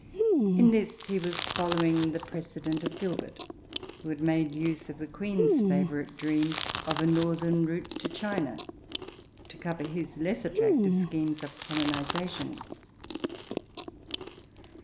In this he was following the precedent of Gilbert, who had made use of the Queen's favourite dream of a northern route to China to cover his less attractive schemes of colonisation.